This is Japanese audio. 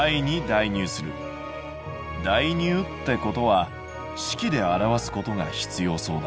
代入ってことは式で表すことが必要そうだ。